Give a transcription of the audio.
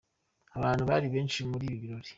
Abantu bari benshi muri ibi birori.